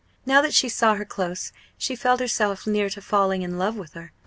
Now that she saw her close she felt herself near to falling in love with her.